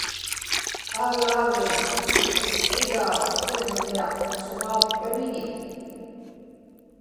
Aalaagum iksigaa Siġmiaq suġauttaŋiñik